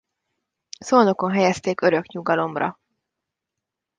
Szolnokon helyezték örök nyugalomra.